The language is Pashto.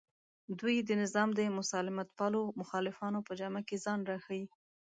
دوی د نظام د مسالمتپالو مخالفانو په جامه کې ځان راښیي